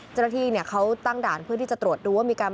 เจริญาที่เขาตั้งด่านเพื่อที่จะตรวจดูว่า